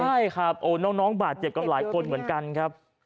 ใช่ครับโอ้น้องบาดเจ็บกันหลายคนเหมือนกันครับ